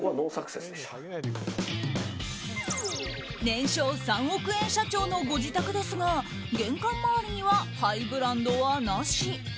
年商３億円社長のご自宅ですが玄関周りにはハイブランドはなし。